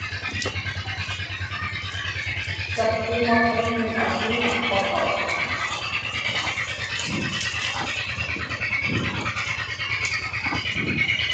saptuma qimmim atiŋa Pakak